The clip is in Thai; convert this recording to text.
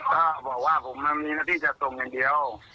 ก็บอกว่าผมมีหน้าที่จะส่งอย่างเดียว